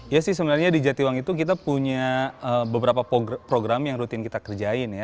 ya sih sebenarnya di jatiwang itu kita punya beberapa program yang rutin kita kerjain ya